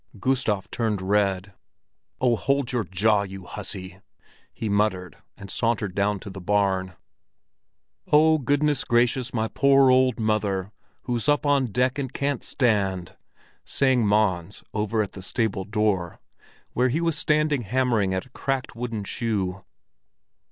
Gustav turned red. "Oh, hold your jaw, you hussy!" he muttered, and sauntered down to the barn. "Oh, goodness gracious, my poor old mother, Who's up on deck and can't stand!" sang Mons over at the stable door, where he was standing hammering at a cracked wooden shoe.